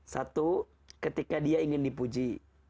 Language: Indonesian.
satu ketika dia ingin dipuji